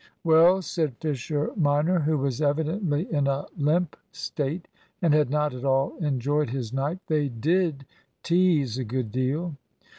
"Well," said Fisher minor, who was evidently in a limp state, and had not at all enjoyed his night, "they did tease a good deal."